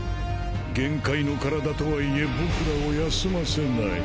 限界の身体とは言え僕らを休ませない